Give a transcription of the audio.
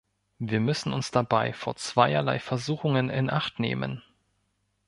Wir müssen uns dabei vor zweierlei Versuchungen in Acht nehmen.